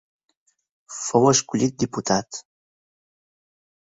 Fou escollit diputat.